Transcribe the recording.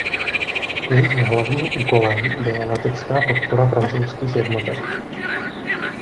Jejich hlavním úkolem byla letecká podpora francouzských jednotek.